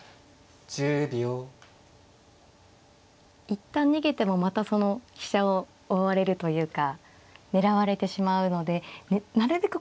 一旦逃げてもまたその飛車を追われるというか狙われてしまうのでなるべく